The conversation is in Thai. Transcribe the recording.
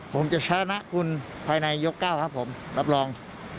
ผมจะชนะคุณภายในยก๙ครับผมรับรอง